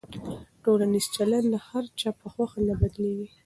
ټولنیز چلند د هر چا په خوښه نه بدلېږي.